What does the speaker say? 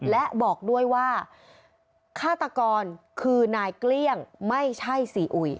และบอกด้วยว่าฆาตกรคือนายเกลี้ยงไม่ใช่ซีอุย